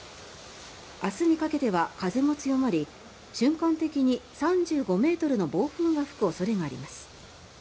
明日にかけては風も強まり瞬間的に３５ｍの暴風が吹く恐れがあります。